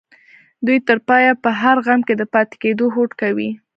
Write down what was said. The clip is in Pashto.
دوی تر پايه په هر غم کې د پاتې کېدو هوډ کوي.